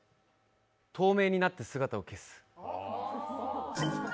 透明になって姿を消す。